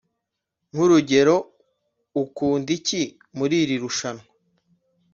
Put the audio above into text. nk’urugero ukunda iki muri rushanwa?